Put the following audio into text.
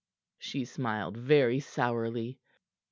She smiled very sourly.